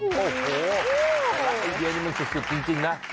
โอ้โหอันดับไอเดียนี่มันสุดจริงนะ